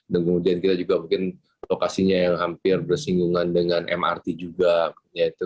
kemudian kita juga mungkin lokasinya yang hampir bersinggungan dengan mrt juga yaitu